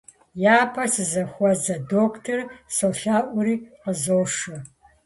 Япэ сызыхуэзэ дохутырыр, солъэӀури, къызошэ.